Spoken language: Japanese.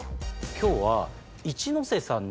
今日は。